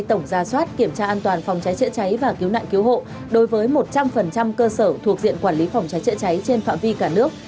tổng ra soát kiểm tra an toàn phòng cháy chữa cháy và cứu nạn cứu hộ đối với một trăm linh cơ sở thuộc diện quản lý phòng cháy chữa cháy trên phạm vi cả nước